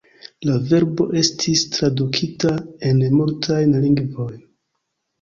La verko estis tradukita en multajn lingvojn.